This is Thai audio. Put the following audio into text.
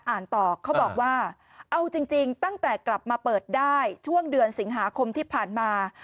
อ่านต่อเขาบอกว่าเอาจริงตั้งแต่กลับมาเปิดได้ช่วงเดือนสิงหาคมที่ผ่านมา